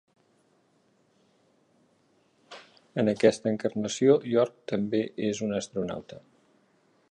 En aquesta encarnació, York també és un astronauta.